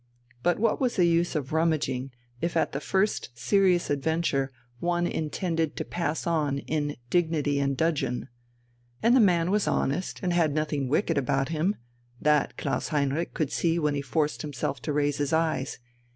But what was the use of rummaging if at the first serious adventure one intended to pass on in dignity and dudgeon? And the man was honest, and had nothing wicked about him: that Klaus Heinrich could see when he forced himself to raise his eyes.